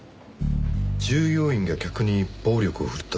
従業員が客に暴力を振るったとありますが。